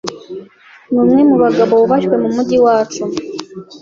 numwe mubagabo bubashywe mumujyi wacu.